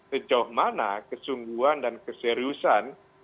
sejauh mana kesungguhan dan keseriusan